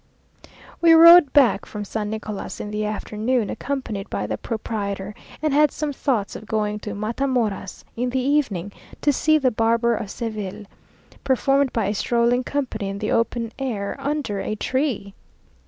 We rode back from San Nicolas in the afternoon, accompanied by the proprietor, and had some thoughts of going to Matamoras in the evening, to see the "Barber of Seville" performed by a strolling company in the open air, under a tree!